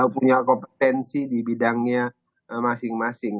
punya kompetensi di bidangnya masing masing